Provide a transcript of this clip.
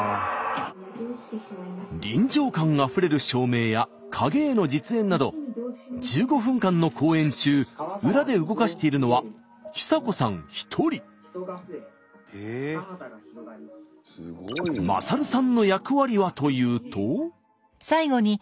臨場感あふれる照明や影絵の実演など１５分間の公演中裏で動かしているのは勝さんの役割はというと。